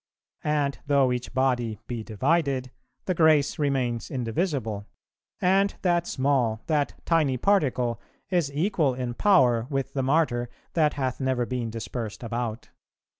And though each body be divided, the grace remains indivisible; and that small, that tiny particle is equal in power with the Martyr that hath never been dispersed about.